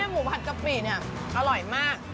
หมูผัดกะปิเนี่ยอร่อยมาก